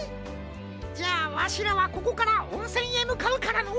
じゃあわしらはここからおんせんへむかうからのう。